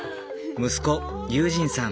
息子悠仁さん